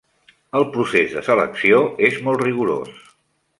El procés de selecció és molt rigorós.